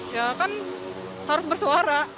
ya kan harus bersuara